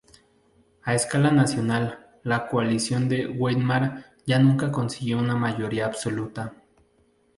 A escala nacional, la Coalición de Weimar ya nunca consiguió una mayoría absoluta.